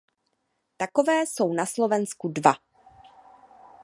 Takové jsou na Slovensku dva.